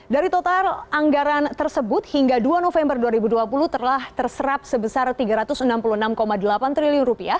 dari total anggaran tersebut hingga dua november dua ribu dua puluh telah terserap sebesar rp tiga ratus enam puluh enam delapan triliun